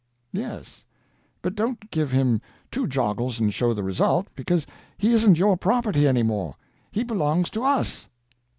"Yes; but don't give him two joggles and show the result, because he isn't your property any more. He belongs to us."